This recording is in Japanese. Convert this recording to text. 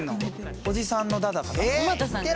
おじさんのだだかな？